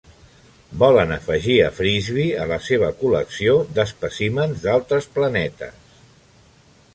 Volen afegir a Frisby a la seva col·lecció d'espècimens d'altres planetes.